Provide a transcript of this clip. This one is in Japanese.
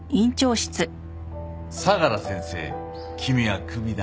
相良先生君はクビだ。